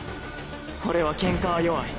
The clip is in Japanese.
俺はケンカは弱い